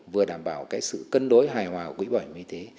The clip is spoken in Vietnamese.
vừa đảm bảo cái sự cân đối hài hòa quỹ bảo hiểm y tế